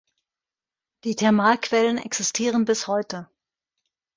Die Thermalquellen existieren bis heute.